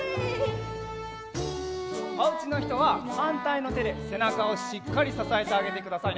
おうちのひとははんたいのてでせなかをしっかりささえてあげてくださいね。